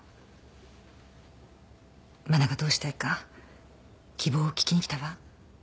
真菜がどうしたいか希望を聞きに来たわ。